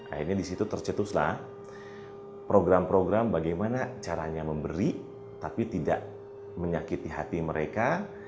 akhirnya disitu tercetuslah program program bagaimana caranya memberi tapi tidak menyakiti hati mereka